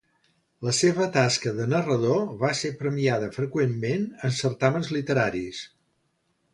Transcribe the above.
La seva tasca de narrador va ser premiada freqüentment en certàmens literaris.